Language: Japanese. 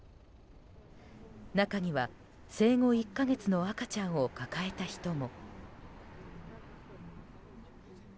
中には生後１か月の赤ちゃんを抱えた人も。